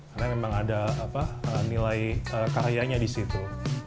karena memang ada nilai karyanya di situ